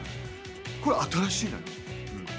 これ、新しいのよ。